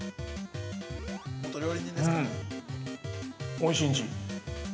おいしんじ。